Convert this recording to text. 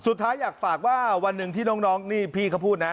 อยากฝากว่าวันหนึ่งที่น้องนี่พี่เขาพูดนะ